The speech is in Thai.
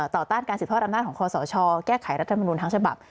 ต่อต้านการสิทธิ์พ่อรำนาจของควรสอชอแก้ไขรัฐมนุนทางฉบับ